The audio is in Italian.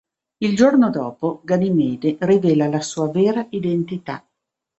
Il giorno dopo, Ganimede rivela la sua vera identità.